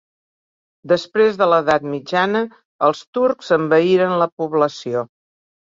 Després de l'edat mitjana els turcs envaïren la població.